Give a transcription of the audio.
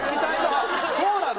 あっそうなの？